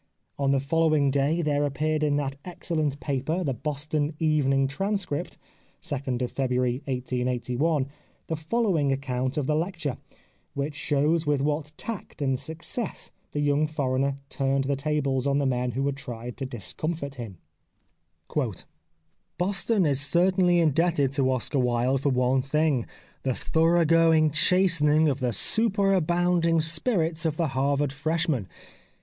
On the following day there appeared in that excellent paper. The Boston Evening Transcript (2nd February 1881) the following account of the lecture, which shows with what tact and success the young foreigner turned the tables on the men who had tried to discomfit him :—" Boston is certainly indebted to Oscar Wilde for one thing — the thorough going chastening of the superabounding spirits of the Harvard fresh man.